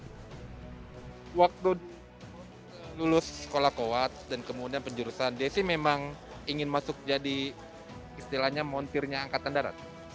saya waktu lulus sekolah kowats dan kemudian penjurusan desi memang ingin masuk jadi istilahnya montirnya angkatan darat